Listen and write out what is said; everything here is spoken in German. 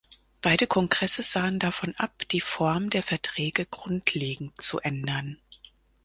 Beide Kongresse sahen davon ab, die Form der Verträge grundlegend zu ändern.